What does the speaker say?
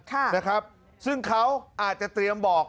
ค่ะนะครับซึ่งเขาอาจจะเตรียมบอก